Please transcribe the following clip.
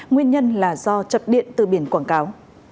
nguyên nhân là do chập điện từ biển quảng cáo